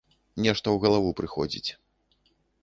Нешта ў галаву прыходзіць.